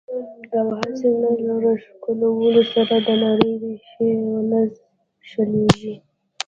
او هسې نه د راښکلو سره دا نرۍ ريښې ونۀ شليږي